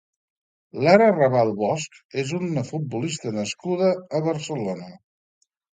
Lara Rabal Bosch és una futbolista nascuda a Barcelona.